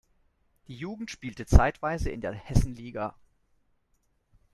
Die Jugend spielte zeitweise in der Hessenliga.